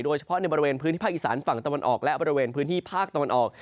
โดยเฉพาะในบริเวณพื้นที่ภาคอีสานฝั่งตะวันออกและบริเวณพื้นที่ภาคตะวันออก